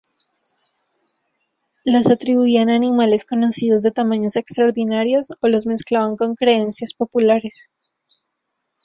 Las atribuían a animales conocidos de tamaños extraordinarios o los mezclaban con creencias populares.